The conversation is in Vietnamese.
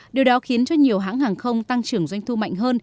điều đó khiến cho nhiều hãng hàng không tăng trưởng doanh thu mạnh hơn